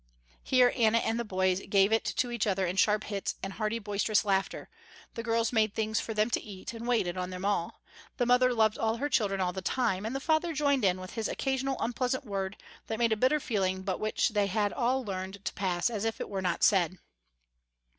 Here Anna and the boys gave it to each other in sharp hits and hearty boisterous laughter, the girls made things for them to eat, and waited on them all, the mother loved all her children all the time, and the father joined in with his occasional unpleasant word that made a bitter feeling but which they had all learned to pass as if it were not said.